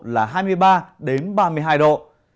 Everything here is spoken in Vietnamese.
là hai mươi ba đến ba mươi hai độ